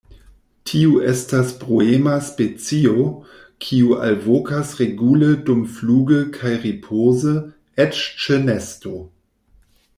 Tiu estas bruema specio, kiu alvokas regule dumfluge kaj ripoze, eĉ ĉe nesto.